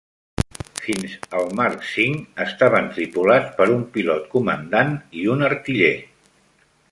Fins al Mark V, estaven tripulats per un pilot-comandant i un artiller.